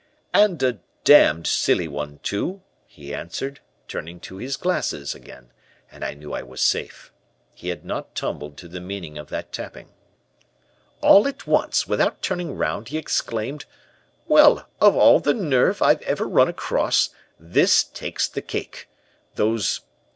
"'And a damned silly one, too,' he answered, turning to his glasses again, and I knew I was safe. He had not tumbled to the meaning of that tapping. "All at once, without turning round, he exclaimed: 'Well, of all the nerve I've ever run across, this takes the cake.